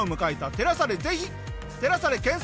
「テラサ」で検索。